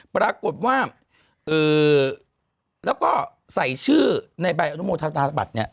ปรากฏว่าแล้วก็ใส่ชื่อในใบอนุโมทนาบัตรเนี่ย